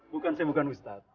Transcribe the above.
bukan saya bukan ustadz